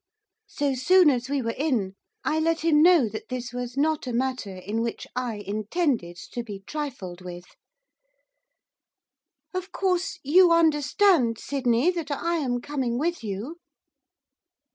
So soon as we were in, I let him know that this was not a matter in which I intended to be trifled with. 'Of course you understand, Sydney, that I am coming with you.